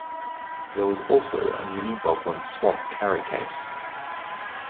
There was also a Mini Boglins Swamp Carry Case.